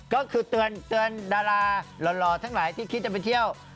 ก็คือเตือนดาราหล่อทั้งหลายที่คิดจะไปเที่ยว